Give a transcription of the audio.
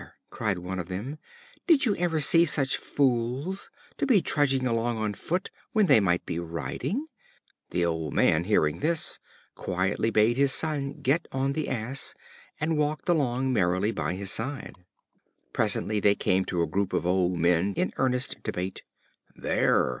cried one of them, "did you ever see such fools, to be trudging along on foot when they might be riding?" The old Man, hearing this, quietly bade his Son get on the Ass, and walked along merrily by his side. Presently they came to a group of old men in earnest debate. "There!"